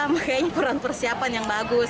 makanya kurang persiapan yang bagus